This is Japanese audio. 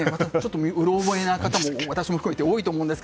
うる覚えの方も私も含めて多いと思います。